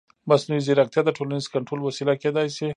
مصنوعي ځیرکتیا د ټولنیز کنټرول وسیله کېدای شي.